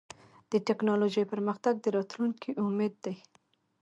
د ټکنالوجۍ پرمختګ د راتلونکي امید دی.